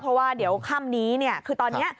เพราะว่าเดี๋ยวค่ำนี้คือตอนนี้